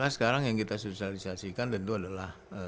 sekarang yang kita sosialisasikan tentu adalah